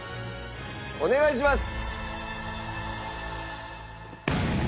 お願いします。